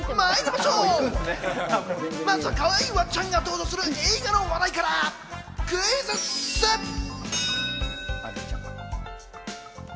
まずは、かわいいワンちゃんが登場する映画の話題から、クイズッス！